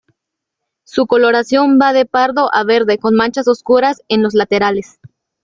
Su coloración va de pardo a verde con manchas oscuras en los laterales.